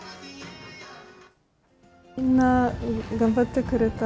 みんな、頑張ってくれた。